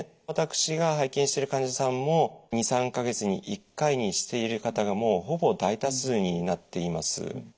私が拝見してる患者さんも２３か月に１回にしている方がもうほぼ大多数になっています。